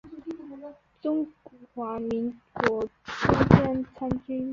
中华民国中将参军。